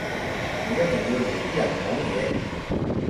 你一定要撩啲人講嘢